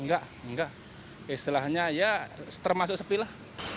enggak enggak istilahnya ya termasuk sepilah